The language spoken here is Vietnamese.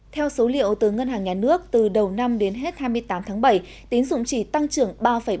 theo số liệu từ ngân hàng nhà nước từ đầu năm đến hết hai mươi tám tháng bảy tín dụng chỉ tăng trưởng ba bốn